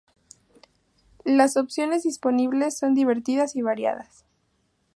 Las opciones disponibles son divertidas y variadas".